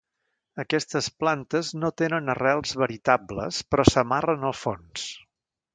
Aquestes plantes no tenen arrels veritables però s'amarren al fons.